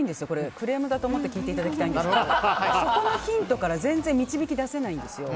クレームだと思って聞いていただきたいんですけどそこのヒントから全然導き出せないんですよ。